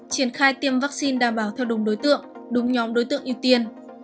triển khai tiêm vaccine đảm bảo theo đúng đối tượng đúng nhóm đối tượng ưu tiên